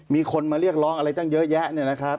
มีคนมาเรียกร้องอะไรตั้งเยอะแยะ